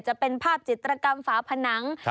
จะเป็นภาพจิตรกรรมฝาผนัง